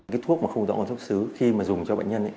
cái thuốc mà không rõ nguồn gốc xuất xứ khi mà dùng cho bệnh nhân